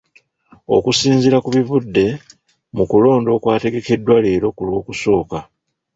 Okusinziira ku bivudde mu kulonda okwategekeddwa leero ku Lwokusooka.